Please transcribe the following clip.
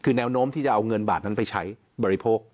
คือแนวโน้มที่จะเอาเงินบาทนั้นไปใช้บริโภค